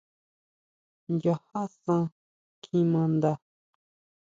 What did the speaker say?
Nchaja san kjimanda.